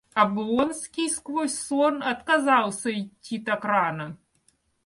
Облонский сквозь сон отказался итти так рано.